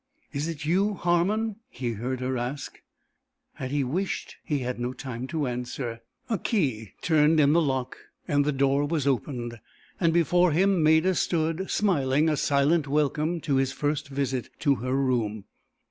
"Is it you, Harmon?" he heard her ask. Had he wished he had no time to answer. A key turned in the lock, the door was opened, and before him Maida stood, smiling a silent welcome to his first visit to her room.